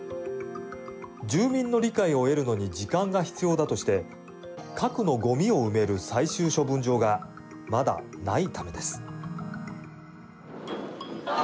住民の理解を得るのに時間が必要だとして核のごみを埋める最終処分場がまだ無いためです。